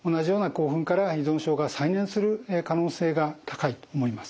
興奮から依存症が再燃する可能性が高いと思います。